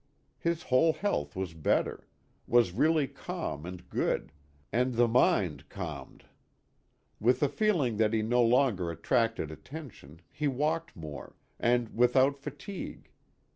His whole health was better was really calm and good and the mind calmed. With the feeling that he no longer attracted attention, he walked more, and without fatigue.